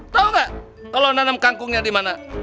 tahu nggak kalau nanam kangkungnya di mana